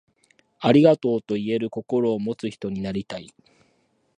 ありがとう、と言える心を持つ人になりたい。